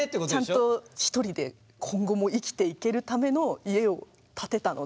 ちゃんと１人で今後も生きていけるための家を建てたので。